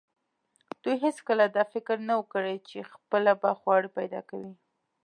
دوی هیڅکله دا فکر نه و کړی چې خپله به خواړه پیدا کوي.